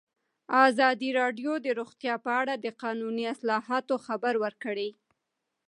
ازادي راډیو د روغتیا په اړه د قانوني اصلاحاتو خبر ورکړی.